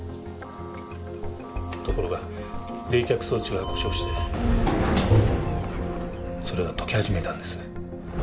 ところが冷却装置が故障してそれが溶け始めたんです。